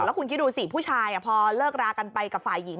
แล้วคุณคิดดูสิผู้ชายพอเลิกรากันไปกับฝ่ายหญิง